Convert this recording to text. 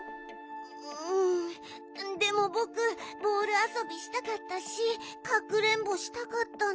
でもぼくボールあそびしたかったしかくれんぼしたかったんだ。